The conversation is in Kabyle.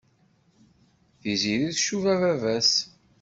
Tiziri tcuba baba-s.